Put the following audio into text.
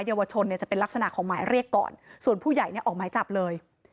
เยาวชนเนี่ยจะเป็นลักษณะของหมายเรียกก่อนส่วนผู้ใหญ่เนี่ยออกหมายจับเลย